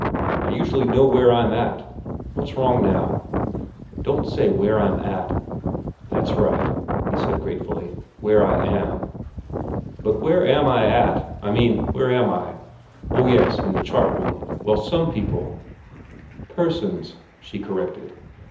I usually know where I'm at—What's wrong now?" "Don't say 'where I'm at.'" "That's right," he said gratefully, "where I am. But where am I at—I mean, where am I? Oh, yes, in the chart room. Well, some people—" "Persons," she corrected.